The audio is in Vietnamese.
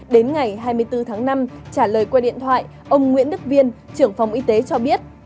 đến ngày hai mươi bốn tháng năm trả lời qua điện thoại ông nguyễn đức viên trưởng phòng y tế cho biết